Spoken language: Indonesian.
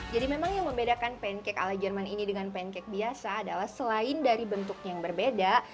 jadi memang yang membedakan pancake ala jerman ini dengan pancake biasa adalah selain dari bentuknya yang berbeda